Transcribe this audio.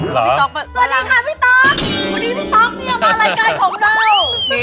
พี่ต๊อกสวัสดีค่ะพี่ต๊อกวันนี้พี่ต๊อกเนี่ยมารายการของเรา